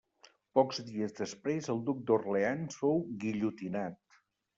Pocs dies després, el duc d'Orleans fou guillotinat.